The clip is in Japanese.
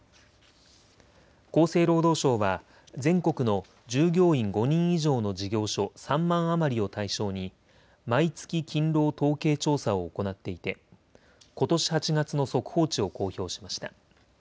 厚生労働省は全国の従業員５人以上の事業所３万余りを対象に毎月勤労統計調査を行っていてことし８月の速報値を公表しました。